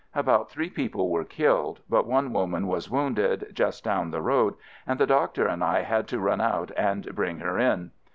About three people were killed, but one woman was wounded, just down the road, and the doctor and I had to run out and bring her in.